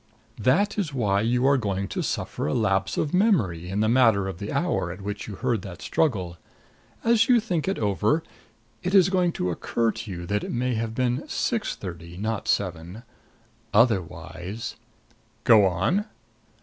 "That is why you are going to suffer a lapse of memory in the matter of the hour at which you heard that struggle. As you think it over, it is going to occur to you that it may have been six thirty, not seven. Otherwise " "Go on."